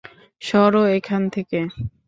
সর এখান থেকে।